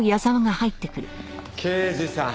刑事さん